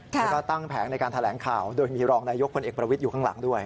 แล้วก็ตั้งแผงในการแถลงข่าวโดยมีรองนายกพลเอกประวิทย์อยู่ข้างหลังด้วย